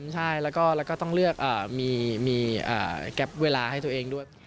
ใช่แล้วก็ต้องเลือกมีแก๊ปเวลาให้ตัวเองด้วย